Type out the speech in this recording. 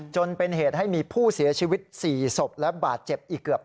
จนเป็นเหตุให้มีผู้เสียชีวิต๔ศพและบาดเจ็บอีกเกือบ